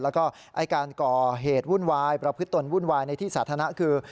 แล้วก็การก่อเหตุวุ่นวายประพฤติตนวุ่นวายในที่สาธารณะคือ